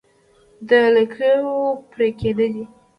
د لکيو پرې کېده دي